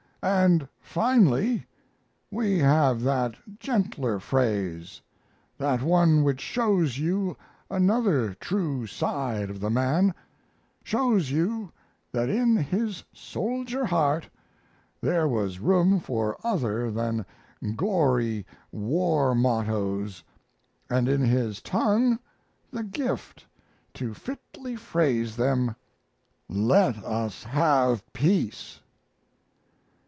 And finally we have that gentler phrase, that one which shows you another true side of the man, shows you that in his soldier heart there was room for other than gory war mottoes and in his tongue the gift to fitly phrase them: "Let us have peace."